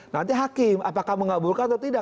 nanti hakim apakah mengabulkan atau tidak